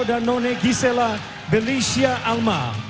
dan noni gisela belisia alma